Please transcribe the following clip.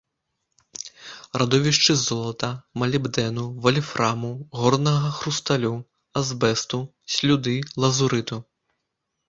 Радовішчы золата, малібдэну, вальфраму, горнага хрусталю, азбесту, слюды, лазурыту.